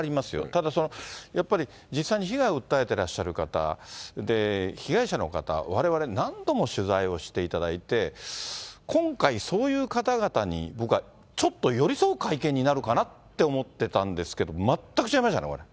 ただ、やっぱり実際に被害を訴えていらっしゃる方、被害者の方、われわれ何度も取材をしていただいて、今回、そういう方々に僕はちょっと寄り添う会見になるかなって思ってたんですけれども、全く違いましたね、これ。